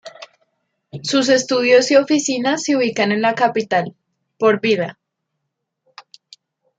Sus estudios y oficinas se ubican en la capital, Port Vila.